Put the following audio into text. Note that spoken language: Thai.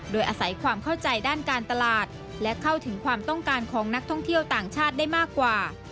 โดยอาศัยความเข้าใจด้านการตลาดและเข้าถึงความต้องการของนักท่องเที่ยวต่างชาติได้มากกว่า